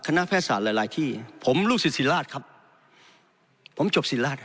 คณะแพศษาหลายหลายที่ผมลูกสิศิราชครับผมจบศิราช